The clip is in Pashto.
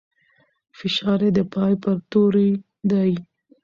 فشار يې د پای پر توري دی.